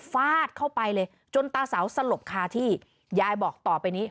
ฟาดเข้าไปเลยจนตาเสาสลบคาที่ยายบอกต่อไปนี้